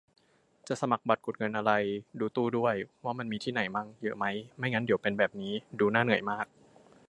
จะสมัครบัตรกดเงินอะไร ดูตู้ด้วย ว่ามันมีที่ไหนมั่ง เยอะไหม ไม่งั้นเดี๋ยวเป็นแบบนี้ ดูน่าเหนื่อยมาก